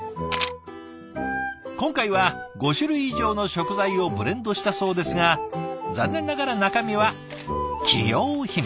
今回は５種類以上の食材をブレンドしたそうですが残念ながら中身は企業秘密。